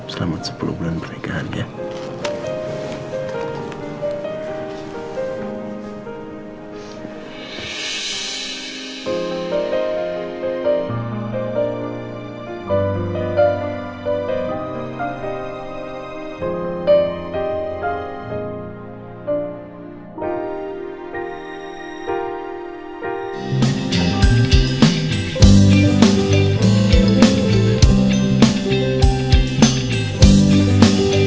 selamat sepuluh bulan pernikahan ya